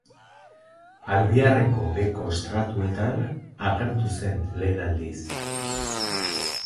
Albiarreko beheko estratuetan agertu zen lehen aldiz.